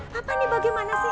papa ini bagaimana sih